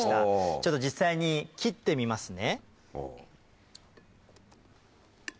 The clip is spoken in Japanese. ちょっと実際に切ってみますね。